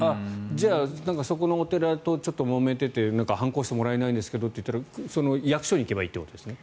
じゃあ、そこのお寺とちょっともめてて判子を押してもらえませんと言ったら役所に行けばいいということですね。